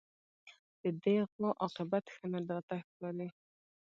د دې غوا عاقبت ښه نه راته ښکاري